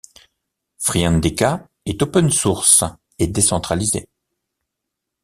Friendica est open source et décentralisé.